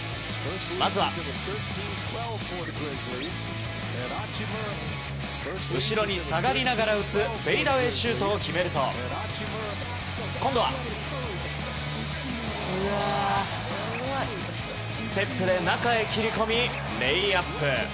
まずは、後ろに下がりながら打つシュートを決めると今度はステップで中へ切り込みレイアップ。